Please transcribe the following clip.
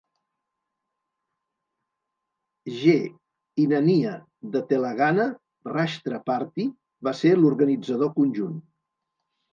G. Innaiah de Telangana Rashtra Party va ser l"organitzador conjunt.